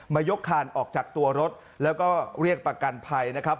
ยกคานออกจากตัวรถแล้วก็เรียกประกันภัยนะครับ